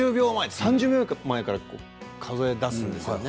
３０秒前から数え出すんですね。